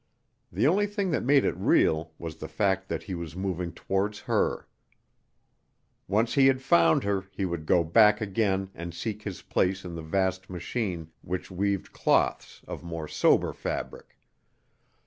The only thing that made it real was the fact that he was moving towards her. Once he had found her he would go back again and seek his place in the vast machine which weaved cloths of more sober fabric.